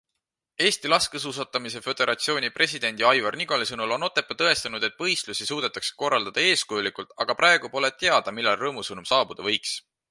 Eesti Laskesuusatamise Föderatsiooni presidendi Aivar Nigoli sõnul on Otepää tõestanud, et võistlusi suudetakse korraldada eeskujulikult, aga praegu pole teada, millal rõõmusõnum saabuda võiks.